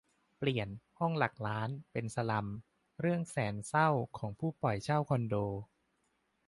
เปลี่ยน 'ห้องหลักล้าน' เป็น 'สลัม' เรื่องแสนเศร้าของผู้ปล่อยเช่าคอนโด